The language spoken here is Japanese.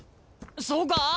そうか？